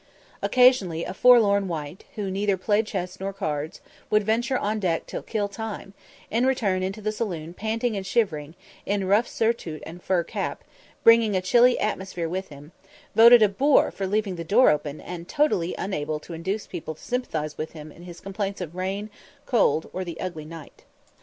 Occasionally a forlorn wight, who neither played chess nor cards, would venture on deck to kill time, and return into the saloon panting and shivering, in rough surtout and fur cap, bringing a chilly atmosphere with him, voted a bore for leaving the door open, and totally unable to induce people to sympathise with him in his complaints of rain, cold, or the "ugly night."